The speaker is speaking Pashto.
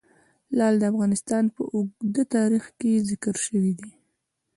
لعل د افغانستان په اوږده تاریخ کې ذکر شوی دی.